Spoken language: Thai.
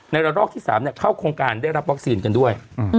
ระลอกที่๓เข้าโครงการได้รับวัคซีนกันด้วย